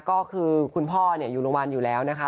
ก็คือคุณพ่ออยู่โรงพยาบาลอยู่แล้วนะคะ